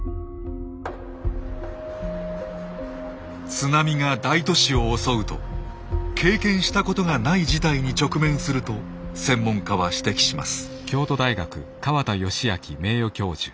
津波が大都市を襲うと経験したことがない事態に直面すると専門家は指摘します。